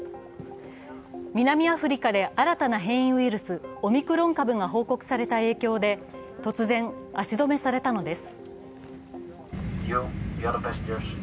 南アフリカで新たな変異ウイルス、オミクロン株が報告された影響で、突然、足止めされたのです。